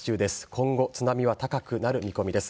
今後、津波は高くなる見込みです。